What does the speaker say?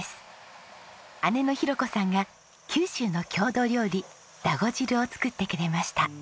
姉のひろ子さんが九州の郷土料理だご汁を作ってくれました。